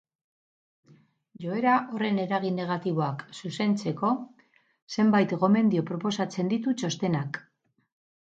Joera horren eragin negatiboak zuzentzeko zenbait gomendio proposatzen ditu txostenak.